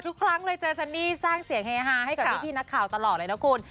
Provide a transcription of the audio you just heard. ทุกครั้งเลยเจอซันนี่สร้างเสียงเฮฮาให้กับพี่นักข่าวตลอดเลยนะคุณ